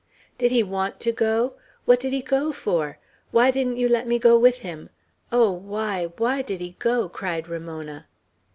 "Did he want to go? What did he go for? Why didn't you let me go with him? Oh, why, why did he go?" cried Ramona.